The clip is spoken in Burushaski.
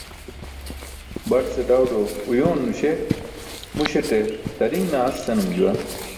Baṭ ce đawdo uyooń nuśe muśaṭe "tariṅ naas" senum juwan.